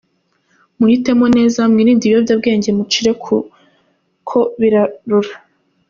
Muhitemo neza, mwirinde ibiyobyabwenge mucire kuko birarura.